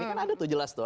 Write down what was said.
ini kan ada tuh jelas tuh